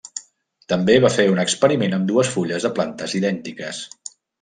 També va fer un experiment amb dues fulles de plantes idèntiques.